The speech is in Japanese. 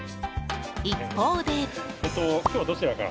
一方で。